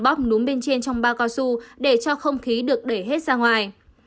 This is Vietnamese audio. bóc núm bên trên trong bao cao su để cho không khí được để hết ra ngoài